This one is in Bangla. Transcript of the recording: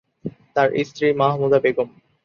তার স্ত্রী মাহমুদা বেগম।